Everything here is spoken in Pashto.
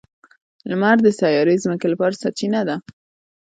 • لمر د سیارې ځمکې لپاره سرچینه ده.